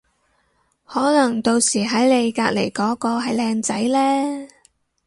可能到時喺你隔離嗰個係靚仔呢